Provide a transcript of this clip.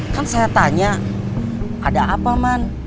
kan saya tanya ada apa man